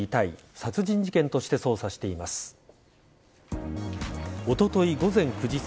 殺人事件として捜査しています。